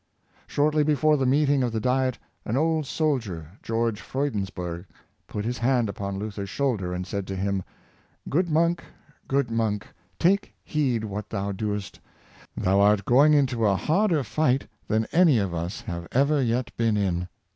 Shortly before the meeting of the Diet, an old soldier, George Freundesburg, put his hand upon Luther's shoulder, and said to him: *' Good monk, good monk, take heed what thou doest; thou art going into a harder fight than any of us have ever yet been in."